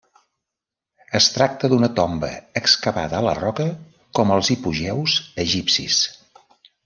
Es tracta d'una tomba excavada a la roca com els hipogeus egipcis.